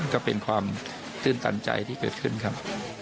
ก็เป็นความตื่นตันใจที่เกิดขึ้นครับ